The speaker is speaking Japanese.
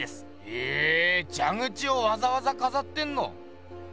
へぇじゃ口をわざわざかざってんの。